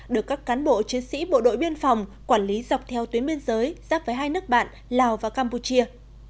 được các cán bộ chiến sĩ bộ đội biên phòng quản lý dọc theo tuyến biên giới giáp với hai nước bạn lào và campuchia